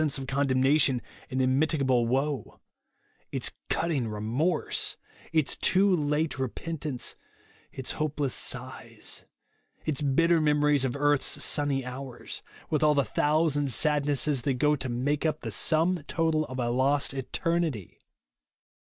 se of condemnation and immitigable JESUS ONLY. 195 woe ; its cutting remorse, its too late re pentance, its hopeless sighs, its bitter me mories of earth's sunny hours ; with all the thousand sadnesses that go to make up the sum total of a lost eternity